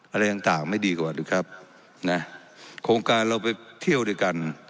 อะไรต่างต่างไม่ดีกว่าหรือครับนะโครงการเราไปเที่ยวด้วยกัน